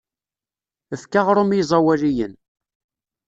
Efk aɣrum i iẓawaliyen.